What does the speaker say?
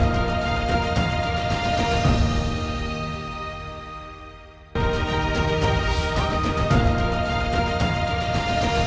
jumlah individu burung pecuk ular di sekitaran perairan pulau jawa mengalami penurunan